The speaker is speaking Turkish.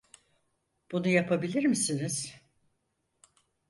Bunu yapabilir misiniz?